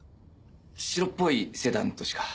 白っぽいセダンとしか。